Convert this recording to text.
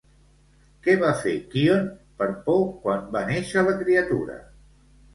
Què va fer Quíone per por quan va néixer la criatura?